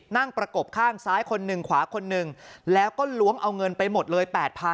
ประกบข้างซ้ายคนหนึ่งขวาคนหนึ่งแล้วก็ล้วงเอาเงินไปหมดเลย๘๐๐๐